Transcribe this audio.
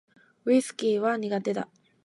ウィスキーは苦手だ